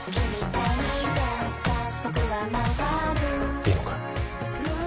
いいのか？